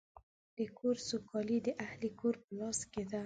د کور سوکالي د اهلِ کور په لاس کې ده.